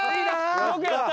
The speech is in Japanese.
よくやった！